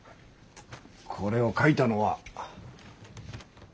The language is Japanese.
これを書いたのは。